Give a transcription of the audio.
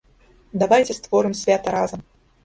Давайце створым свята разам!